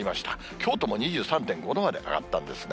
きょうとも２３．５度まで上がったんですね。